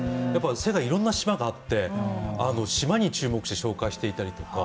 世界にはいろんな島があって島に注目して紹介していたりとか。